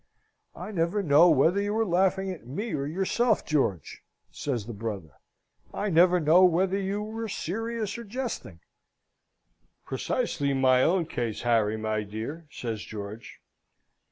"I never know whether you are laughing at me or yourself, George" says the brother. I never know whether you are serious or jesting. "Precisely my own case, Harry, my dear!" says George.